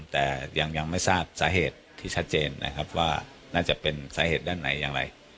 แต่ยังไม่ทราบสาเหตุที่ชัดเจนนะครับว่าน่าจะเป็นสาเหตุด้านไหนอย่างไร